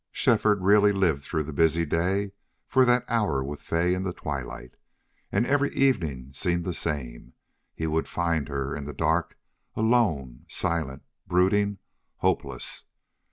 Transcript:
Shefford really lived through the busy day for that hour with Fay in the twilight. And every evening seemed the same. He would find her in the dark, alone, silent, brooding, hopeless.